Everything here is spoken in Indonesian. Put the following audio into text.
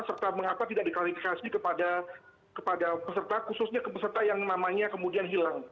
serta mengapa tidak diklarifikasi kepada peserta khususnya ke peserta yang namanya kemudian hilang